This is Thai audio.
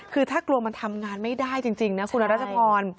คือถ้ากลัวมันทำงานไม่ได้จริงนะคุณรัชพร